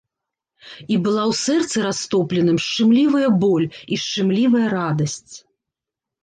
І была ў сэрцы растопленым шчымлівая боль і шчымлівая радасць.